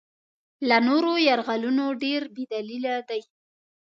له نورو یرغلونو ډېر بې دلیله دی.